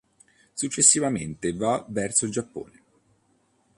Successivamente va verso il Giappone.